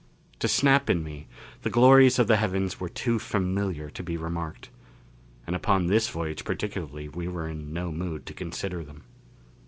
To Snap and me, the glories of the heavens were too familiar to be remarked. And upon this voyage particularly we were in no mood to consider them.